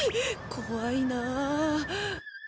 怖いなあ。